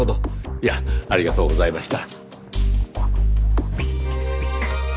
いやありがとうございました。